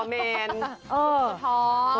ตัวเงินตัวทอง